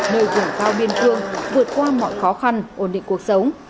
nơi vùng cao biên cương vượt qua mọi khó khăn ổn định cuộc sống